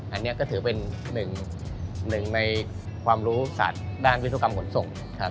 อันนี้ก็ถือเป็นหนึ่งในความรู้ศาสตร์ด้านวิศวกรรมขนส่งครับ